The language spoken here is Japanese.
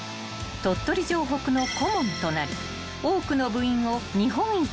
鳥取城北の顧問となり多くの部員を日本一へと導いた］